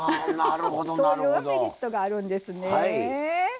そういうメリットがあるんですね。